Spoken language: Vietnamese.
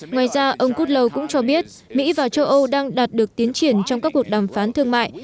ngoài ra ông kudlow cũng cho biết mỹ và châu âu đang đạt được tiến triển trong các cuộc đàm phán thương mại